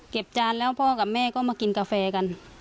จานแล้วพ่อกับแม่ก็มากินกาแฟกัน